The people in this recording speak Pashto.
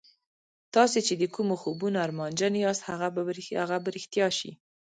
تاسې چې د کومو خوبونو ارمانجن یاست هغه به رښتیا شي